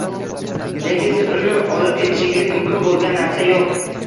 Lekin siz uni olib ketishingiz mumkin bo'lgan narsa yo'q.